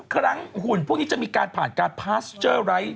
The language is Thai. ครั้งหุ่นพวกนี้จะมีการผ่านการ